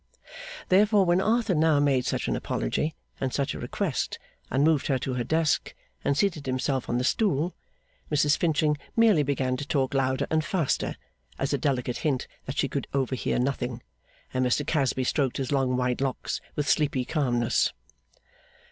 Therefore, when Arthur now made such an apology, and such a request, and moved her to her desk and seated himself on the stool, Mrs Finching merely began to talk louder and faster, as a delicate hint that she could overhear nothing, and Mr Casby stroked his long white locks with sleepy calmness.